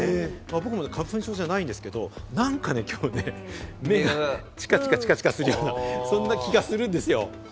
僕も花粉症じゃないんですけど何か、今日ね、目がチカチカチカチカする、そんな気がするんですよ。